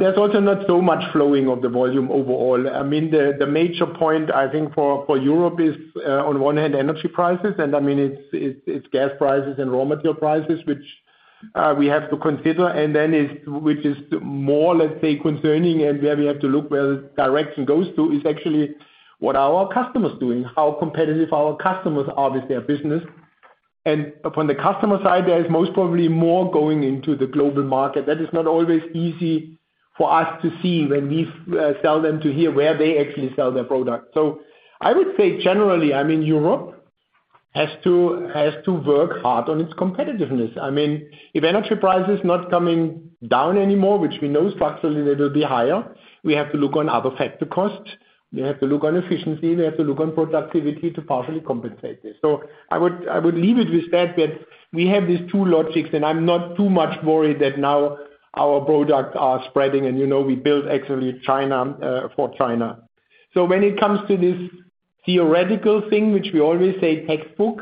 There's also not so much flowing of the volume overall. I mean, the major point I think for Europe is on one hand energy prices, and I mean, it's gas prices and raw material prices, which we have to consider. Is, which is more, let's say, concerning and where we have to look where the direction goes to, is actually what are our customers doing? How competitive our customers are with their business. From the customer side, there is most probably more going into the global market. That is not always easy for us to see when we sell them to hear where they actually sell their product. I would say generally, I mean Europe has to work hard on its competitiveness. I mean, if energy price is not coming down anymore, which we know structurally it will be higher, we have to look on other factor costs. We have to look on efficiency, we have to look on productivity to partially compensate this. I would leave it with that we have these two logics, and I'm not too much worried that now our products are spreading and, you know, we build actually China for China. When it comes to this theoretical thing, which we always say textbook.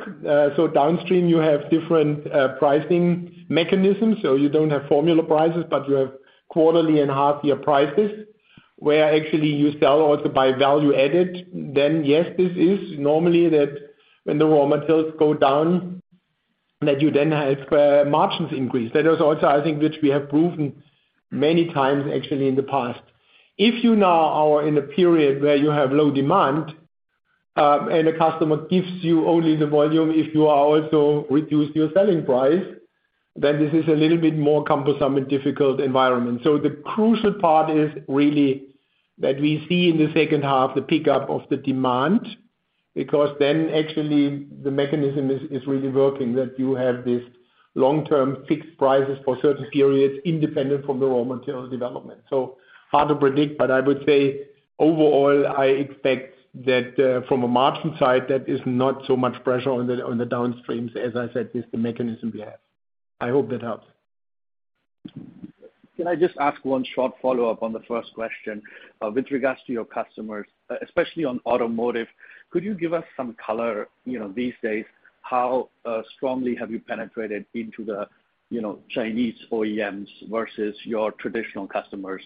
Downstream, you have different pricing mechanisms. You don't have formula prices, but you have quarterly and half-year prices where actually you sell also by value added. Then yes, this is normally that when the raw materials go down, that you then have margins increase. That is also, I think, which we have proven many times actually in the past. If you now are in a period where you have low demand, and the customer gives you only the volume if you are also reduce your selling price, then this is a little bit more cumbersome and difficult environment. The crucial part is really that we see in the second half the pickup of the demand, because then actually the mechanism is really working. You have this long-term fixed prices for certain periods independent from the raw material development. Hard to predict, but I would say overall, I expect that from a margin side, that is not so much pressure on the, on the downstreams as I said, is the mechanism we have. I hope that helps. Can I just ask one short follow-up on the first question? With regards to your customers, especially on automotive, could you give us some color, you know, these days, how strongly have you penetrated into the, you know, Chinese OEMs versus your traditional customers,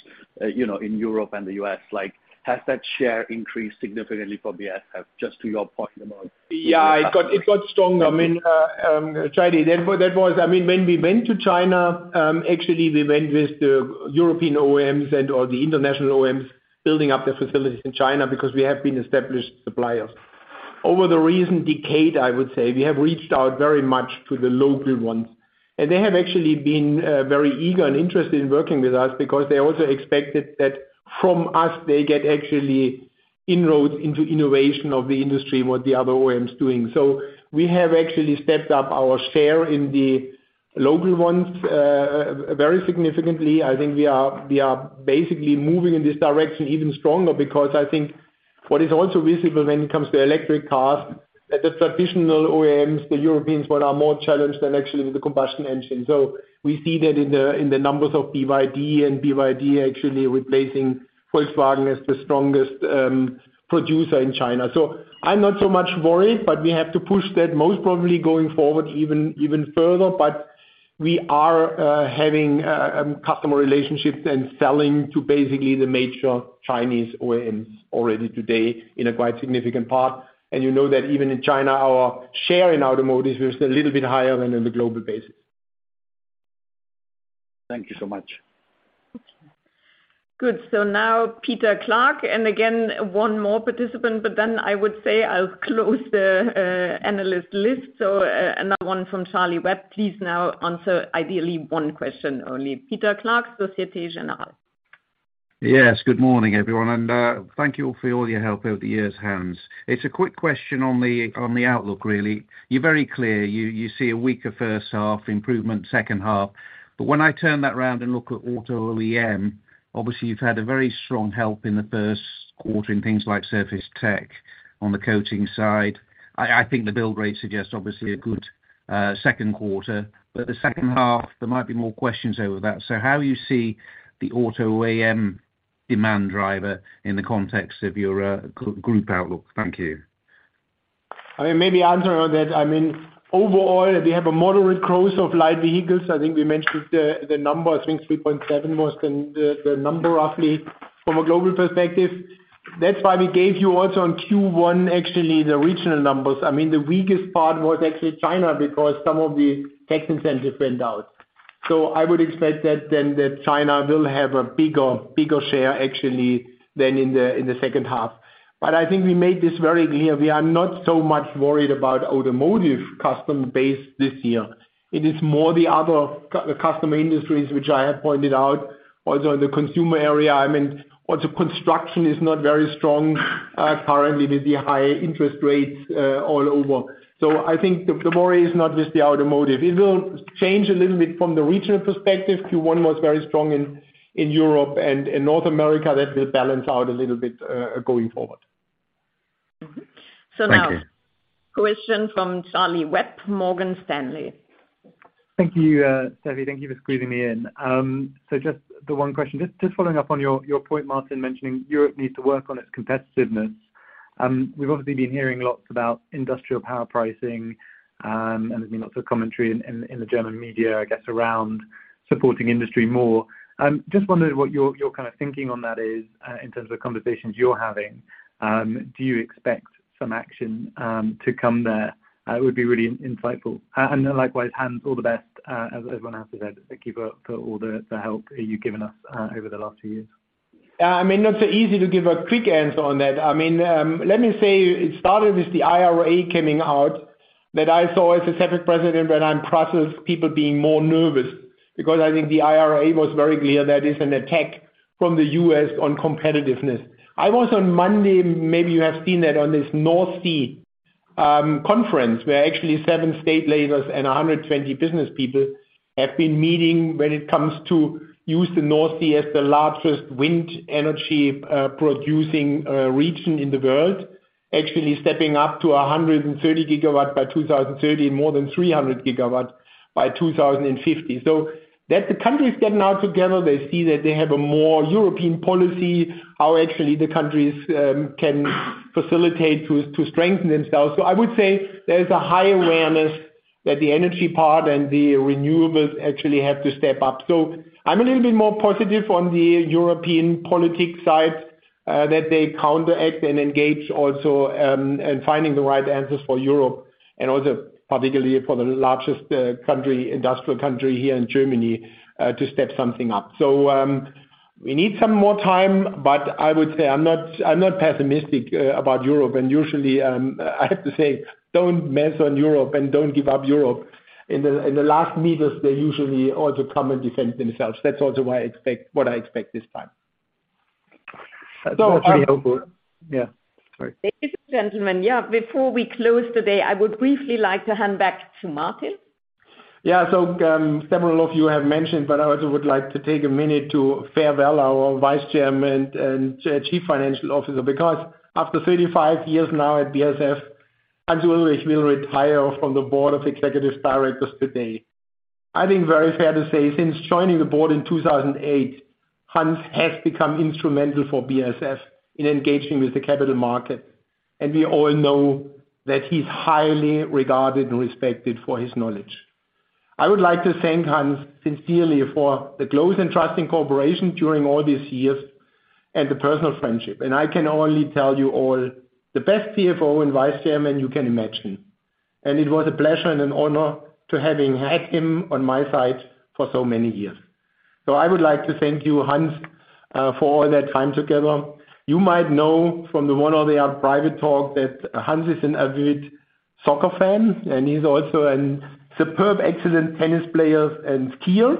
you know, in Europe and the US? Like, has that share increased significantly for BASF just to your point about- Yeah. It got stronger. I mean, Jaideep, I mean, when we went to China, actually we went with the European OEMs and/or the international OEMs building up their facilities in China because we have been established suppliers. Over the recent decade, I would say, we have reached out very much to the local ones, and they have actually been very eager and interested in working with us because they also expected that from us, they get actually inroads into innovation of the industry, what the other OEMs doing. We have actually stepped up our share in the local ones very significantly. I think we are basically moving in this direction even stronger because I think what is also visible when it comes to electric cars, that the traditional OEMs, the Europeans one, are more challenged than actually the combustion engines. We see that in the numbers of BYD and BYD actually replacing Volkswagen as the strongest producer in China. I'm not so much worried, but we have to push that most probably going forward even further. We are having customer relationships and selling to basically the major Chinese OEMs already today in a quite significant part. You know that even in China, our share in automotive is a little bit higher than in the global basis. Thank you so much. Good. Now Peter Clark, and again, one more participant, I would say I'll close the analyst list. Another one from Charles Webb. Please now answer ideally one question only. Peter Clark, Société Générale. Yes. Good morning, everyone, and thank you all for all your help over the years, Hans. It's a quick question on the, on the outlook, really. You're very clear. You see a weaker first half improvement second half. When I turn that round and look at auto OEM, obviously you've had a very strong help in the first quarter in things like surface tech on the coating side. I think the bill rate suggests obviously a good second quarter. The second half there might be more questions over that. How you see the auto OEM demand driver in the context of your group outlook? Thank you. I mean, maybe answer that. I mean, overall, we have a moderate growth of light vehicles. I think we mentioned the number, I think 3.7% was the number roughly from a global perspective. That's why we gave you also on Q1 actually the regional numbers. I mean, the weakest part was actually China because some of the tax incentive went out. I would expect that then that China will have a bigger share actually than in the second half. I think we made this very clear. We are not so much worried about automotive customer base this year. It is more the other customer industries which I have pointed out. Also in the consumer area, I mean, also construction is not very strong currently with the high interest rates all over. I think the worry is not with the automotive. It will change a little bit from the regional perspective. Q1 was very strong in Europe and in North America. That will balance out a little bit going forward. Thank you. Now question from Charlie Webb, Morgan Stanley. Thank you, Steffi, thank you for squeezing me in. Just the one question, just following up on your point, Martin, mentioning Europe needs to work on its competitiveness. We've obviously been hearing lots about industrial power pricing, there's been lots of commentary in the German media, I guess, around supporting industry more. Just wondering what your kind of thinking on that is in terms of the conversations you're having. Do you expect some action to come there? It would be really insightful. Likewise, Hans, all the best, as everyone else has said, thank you for all the help you've given us over the last few years. I mean, not so easy to give a quick answer on that. I mean, let me say it started with the IRA coming out that I saw as a separate precedent that I'm process people being more nervous because I think the IRA was very clear that is an attack from the U.S. on competitiveness. I was on Monday, maybe you have seen that on this North Sea conference, where actually 7 state labors and 120 business people have been meeting when it comes to use the North Sea as the largest wind energy producing region in the world. Actually stepping up to 130 gigawatts by 2030, and more than 300 gigawatts by 2050. The countries getting now together, they see that they have a more European policy, how actually the countries can facilitate to strengthen themselves. I would say there's a high awareness that the energy part and the renewables actually have to step up. I'm a little bit more positive on the European politics side, that they counteract and engage also, in finding the right answers for Europe, and also particularly for the largest industrial country here in Germany, to step something up. We need some more time, but I'm not pessimistic about Europe. Usually, I have to say, "Don't mess on Europe and don't give up Europe." In the last meters, they usually also come and defend themselves. That's also why I expect, what I expect this time. So, uh- Yeah. Sorry. Ladies and gentlemen, yeah, before we close today, I would briefly like to hand back to Martin. Several of you have mentioned, but I also would like to take a minute to farewell our Vice Chairman and Chief Financial Officer, because after 35 years now at BASF, Hans-Ulrich will retire from the Board of Executive Directors today. I think very fair to say since joining the Board in 2008, Hans has become instrumental for BASF in engaging with the capital market, and we all know that he's highly regarded and respected for his knowledge. I would like to thank Hans sincerely for the close and trusting cooperation during all these years and the personal friendship, I can only tell you all the best CFO and Vice Chairman you can imagine. It was a pleasure and an honor to having had him on my side for so many years. I would like to thank you, Hans, for all that time together. You might know from the one or the other private talk that Hans is an avid soccer fan, and he's also an superb, excellent tennis player and skier.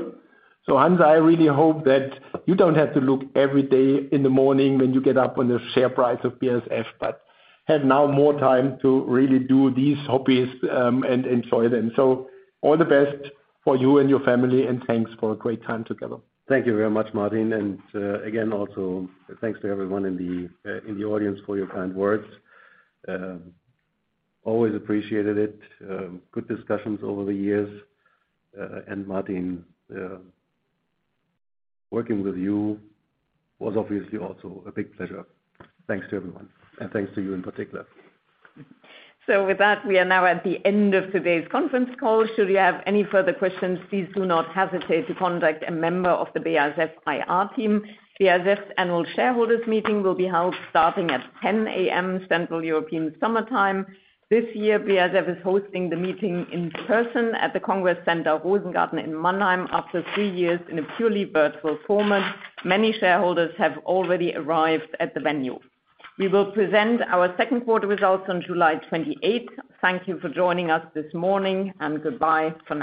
Hans, I really hope that you don't have to look every day in the morning when you get up on the share price of BASF, but have now more time to really do these hobbies, and enjoy them. All the best for you and your family, and thanks for a great time together. Thank you very much, Martin. Again, also thanks to everyone in the audience for your kind words. Always appreciated it. Good discussions over the years. Martin, working with you was obviously also a big pleasure. Thanks to everyone, and thanks to you in particular. With that, we are now at the end of today's conference call. Should you have any further questions, please do not hesitate to contact a member of the BASF IR team. BASF's annual shareholders meeting will be held starting at 10:00 A.M. Central European Summer Time. This year, BASF is hosting the meeting in person at the Congress Center Rosengarten in Mannheim, after 3 years in a purely virtual format. Many shareholders have already arrived at the venue. We will present our second quarter results on July 28th. Thank you for joining us this morning, and goodbye for now.